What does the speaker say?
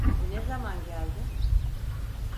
Bu ne zaman geldi?